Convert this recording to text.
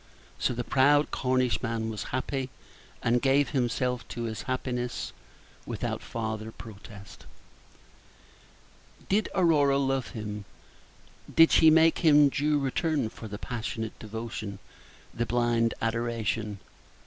So the proud Cornishman was happy, and gave himself up to his happiness without farther protest. Did Aurora love him? Did she make him due return for the passionate devotion, the blind adoration?